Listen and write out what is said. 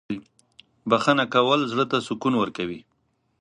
بښنه کول زړه ته سکون ورکوي.